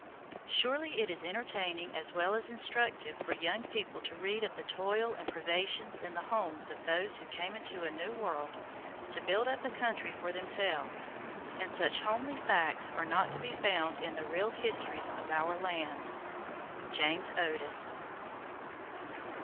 Surely it is entertaining as well as instructive for young people to read of the toil and privations in the homes of those who came into a new world to build up a country for themselves, and such homely facts are not to be found in the real histories of our land. JAMES OTIS.